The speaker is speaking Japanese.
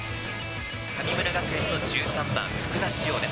神村学園の１３番、福田師王です。